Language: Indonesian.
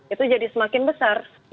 itu jadi semakin besar